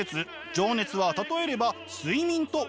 情熱は例えれば睡眠と同じ。